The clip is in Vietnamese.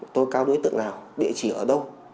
tố cao đối tượng nào địa chỉ ở đâu